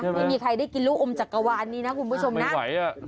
ใช่ไหมไม่มีใครได้กินรู้อมจักรวาลนี้น่ะคุณผู้ชมน่ะไม่ไหวอ่ะ